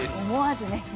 思わずね